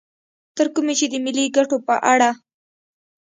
تر کومه چې د ملي ګټو په اړه